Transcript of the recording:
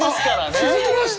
気付きました？